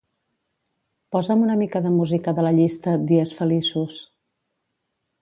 Posa'm una mica de música de la llista "dies feliços".